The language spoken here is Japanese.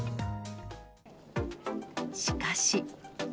しかし。